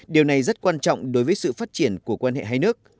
điều này rất quan trọng đối với sự phát triển của quan hệ hai nước